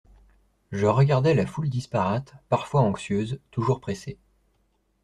Je regardais la foule disparate, parfois anxieuse, toujours pressée.